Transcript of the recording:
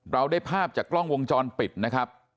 เราได้ภาพจากกล้องวงจรปิดนะครับ